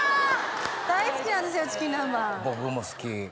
僕も好き。